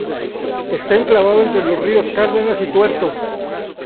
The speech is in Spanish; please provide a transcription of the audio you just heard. Está enclavado entre los ríos Cárdenas y Tuerto.